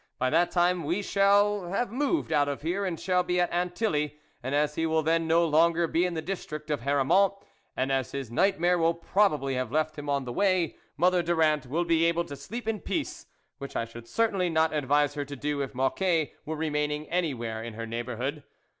By that time we shall have moved out of here and shall be at Antilly, and as he will then no longer be in the district of Haramont, and as his nightmare will probably have left him on the way, Mother Durand will be able to sleep in peace, which I should certainly not advise her to do if Mocquet were remaining anywhere in her neighbour hood.